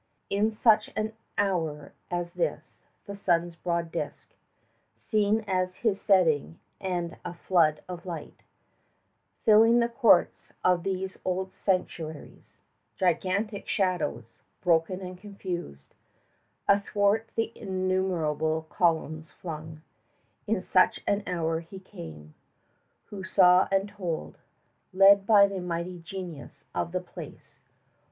In such an hour as this, the sun's broad disk 60 Seen at his setting, and a flood of light Filling the courts of these old sanctuaries Gigantic shadows, broken and confused, Athwart the innumerable columns flung In such an hour he came, who saw and told, 65 Led by the mighty genius of the place.